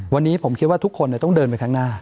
วันนี้ผมคิดว่าทุกคนต้องเดินไปข้างหน้า